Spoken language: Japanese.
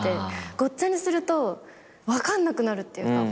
ごっちゃにすると分かんなくなるっていうか